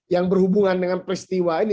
yang berhubungan dengan peristiwa ini